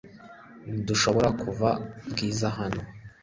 Ntidushobora kuva Bwiza hano.